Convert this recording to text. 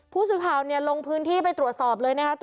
ผู้สื่อข่าวเนี่ยลงพื้นที่ไปตรวจสอบเลยนะคะ